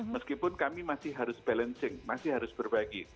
meskipun kami masih harus balancing masih harus berbagi